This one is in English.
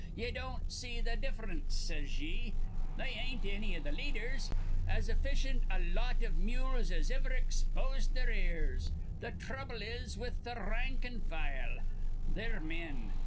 "Ye don't see th' diff'rence, says ye. They ain't anny i' th' leaders. As efficient a lot iv mules as iver exposed their ears. Th' throuble is with th' rank an' file. They're men.